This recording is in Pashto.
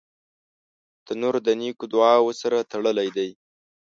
تنور د نیکو دعاوو سره تړلی دی